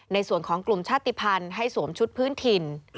ในส่วนของกลุ่มชาติภัณฑ์ให้สวมชุดพื้นถิ่น